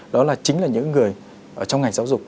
đó chính là những người trong ngành giáo dục